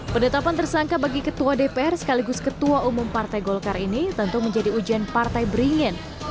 penetapan tersangka bagi ketua dpr sekaligus ketua umum partai golkar ini tentu menjadi ujian partai beringin